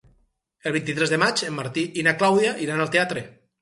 El vint-i-tres de maig en Martí i na Clàudia iran al teatre.